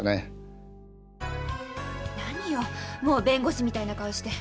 何よもう弁護士みたいな顔して。